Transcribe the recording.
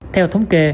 theo thống kê